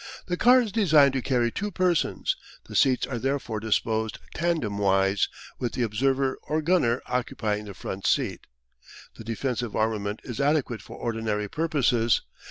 The car is designed to carry two persons; the seats are therefore disposed tandem wise, with the observer or gunner occupying the front seat. The defensive armament is adequate for ordinary purposes.